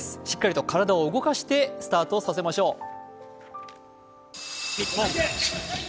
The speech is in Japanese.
しっかりと体を動かしてスタートさせましょう。